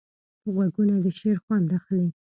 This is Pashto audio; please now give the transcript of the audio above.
غوږونه د شعر خوند اخلي